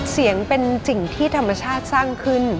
เสียงเป็นสิ่งที่ธรรมชาติสร้างขึ้น